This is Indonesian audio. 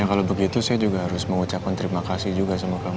ya kalau begitu saya juga harus mengucapkan terima kasih juga sama kang